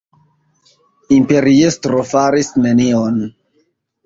Imperiestro faris nenion.